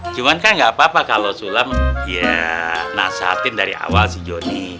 cuma kan nggak apa apa kalau zulam ya nasahatin dari awal si joni